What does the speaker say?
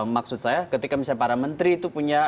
maksud saya ketika misalnya para menteri itu punya